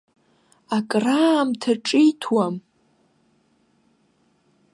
Акраамҭа ҿиҭуам.